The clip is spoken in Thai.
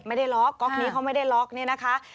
ไม่ได้ล็อกก๊อกนี้เขาไม่ได้ล็อกเนี่ยนะคะ